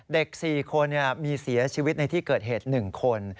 เด็ก๔คนมีเสียชีวิตในที่เกิดเหตุ๑คน